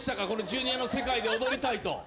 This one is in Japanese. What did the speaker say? ジュニアの世界で踊りたいと。